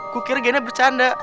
gua kira diana bercanda